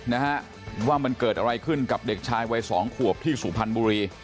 นะฮะว่ามันเกิดอะไรขึ้นกับเด็กชายวัยสองขวบที่สุพรรณบุรี